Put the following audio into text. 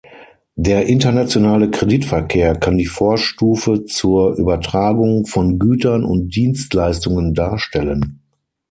Der internationale Kreditverkehr kann die Vorstufe zur Übertragung von Gütern und Dienstleistungen darstellen.